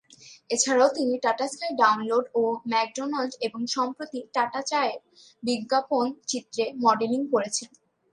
এছাড়া তিনি Tata Sky download ও ম্যাকডোনাল্ড এবং সম্প্রতি টাটা চায়ের বিজ্ঞাপন চিত্রে মডেলিং করেছেন।